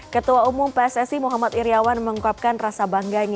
ketua umum pssi muhammad iryawan menguapkan rasa bangganya